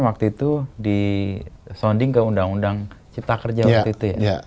waktu itu di sounding ke undang undang cipta kerja waktu itu ya